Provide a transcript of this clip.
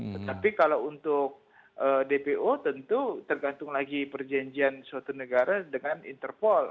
tetapi kalau untuk dpo tentu tergantung lagi perjanjian suatu negara dengan interpol